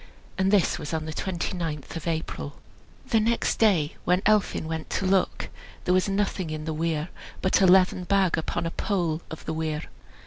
And this was on the twenty ninth of April. The next day, when Elphin went to look, there was nothing in the weir but a leathern bag upon a pole of the weir.